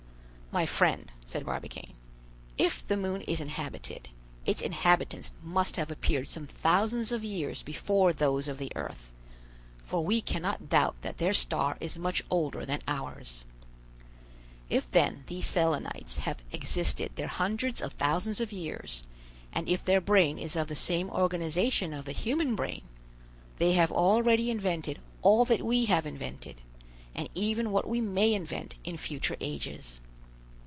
"My friend," said Barbicane, "if the moon is inhabited, its inhabitants must have appeared some thousands of years before those of the earth, for we cannot doubt that their star is much older than ours. If then these Selenites have existed their hundreds of thousands of years, and if their brain is of the same organization of the human brain, they have already invented all that we have invented, and even what we may invent in future ages.